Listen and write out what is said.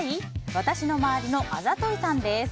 私の周りのあざといさんです。